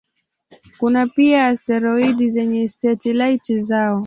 Kuna pia asteroidi zenye satelaiti zao.